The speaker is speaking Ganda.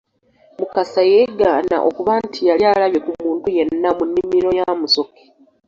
Mukasa yeegaana okuba nti yali alabye ku muntu yenna mu nnimiro ya Musoke.